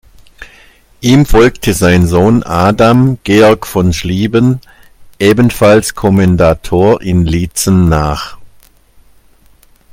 Ihm folgte sein Sohn Adam Georg von Schlieben, ebenfalls Kommendator in Lietzen nach.